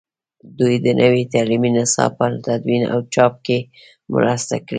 دوی د نوي تعلیمي نصاب په تدوین او چاپ کې مرسته کړې ده.